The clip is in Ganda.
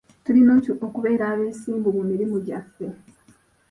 Tulina okubeera abeesimbu mu mirimu gyaffe.